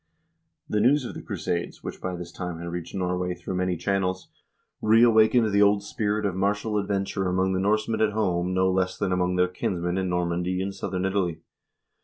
* The news of the crusades, which by this time had reached Norway through many channels, reawakened the old spirit of martial adventure among the Norsemen at home no less than among their kinsmen in Nor mandy and southern Italy.